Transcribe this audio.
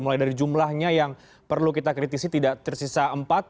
mulai dari jumlahnya yang perlu kita kritisi tidak tersisa empat